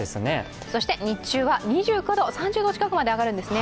そして日中は２９度、３０度近くまで上がるんですね。